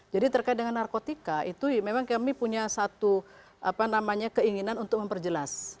jadi terkait dengan narkotika itu memang kami punya satu apa namanya keinginan untuk memperjelas